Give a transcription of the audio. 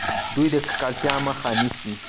دوی د ککړتیا مخه نیسي.